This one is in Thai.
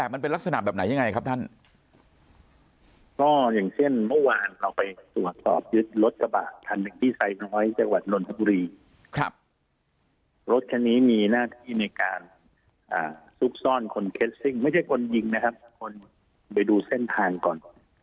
ก็อย่างเช่นเมื่อวานเราไปตรวจสอบยึดรถกระบาดคันหนึ่งที่ไซน์น้อยจังหวัดนทรัพย์รถคันนี้มีหน้าที่ในการสุกซ่อนคนเคสซิ่งไม่ใช่คนยิงนะครับคนไปดูเส้นทางก่อน